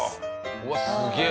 うわすげえ！